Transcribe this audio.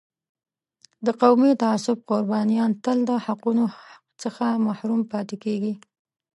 د قومي تعصب قربانیان تل د حقونو څخه محروم پاتې کېږي.